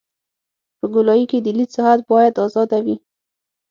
په ګولایي کې د لید ساحه باید ازاده وي